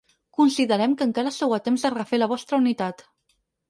Considerem que encara sou a temps de refer la vostra unitat.